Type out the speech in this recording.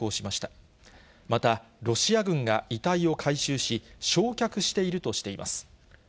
またロシア軍が遺体を回収し、焼却しているとしています。